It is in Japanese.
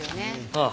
ああ。